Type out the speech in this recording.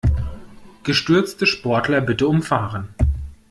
Gestürzte Sportler bitte umfahren.